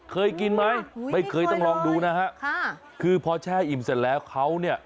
เคยกินไหมไม่เคยต้องลองดูนะฮะค่ะคือพอแช่อิ่มเสร็จแล้วเขาเนี่ย